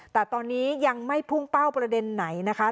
แต่ตอนนี้ยังไม่พุ่งเป้าประเด็นไหนนะคะ